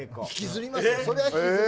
引きずります。